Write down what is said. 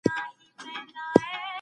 زه جمله زده کوم.